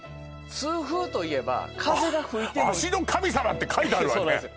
痛風といえば風が吹いても足の神様って書いてあるわねそうなんですよ